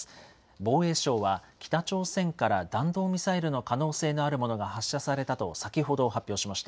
防衛省は、北朝鮮から弾道ミサイルの可能性のあるものが発射されたと先ほど発表しました。